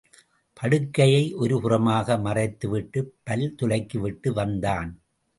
படுக்கையை ஒரு புறமாக மறைத்துவிட்டுப் பல் துலக்கிவிட்டு வந்தான்.